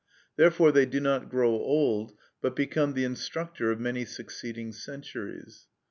Therefore they do not grow old, but become the instructor of many succeeding centuries.